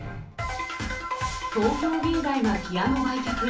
東京芸大がピアノ売却へ。